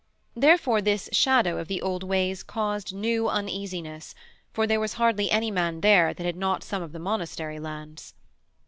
Therefore this shadow of the old ways caused new uneasiness, for there was hardly any man there that had not some of the monastery lands.